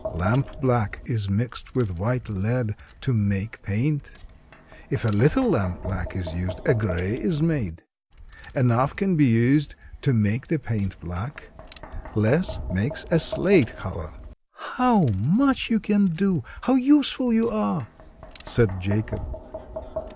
"Lampblack is mixed with white lead to make paint. If a little lampblack is used a gray is made. Enough can be used to make the paint black. Less makes a slate color." "How much you can do! How useful you are!" said Jacob.